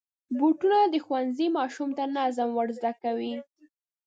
بوټونه د ښوونځي ماشوم ته نظم ور زده کوي.